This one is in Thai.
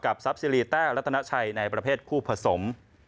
กับซับซิริแต้รัฐนาชัยในประเภทคู่ผสม